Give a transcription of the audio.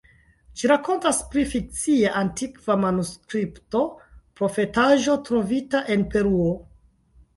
Ĝi rakontas pri fikcia antikva manuskripto, profetaĵo trovita en Peruo.